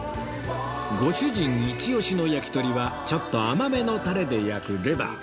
ご主人イチオシの焼き鳥はちょっと甘めのタレで焼くレバー